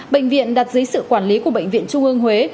bệnh viện đặt dưới sự quản lý của bệnh viện trung ương huế